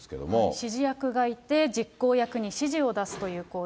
指示役がいて、実行役に指示を出すという構図。